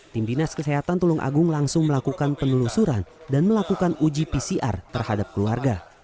tim dinas kesehatan tulung agung langsung melakukan penelusuran dan melakukan uji pcr terhadap keluarga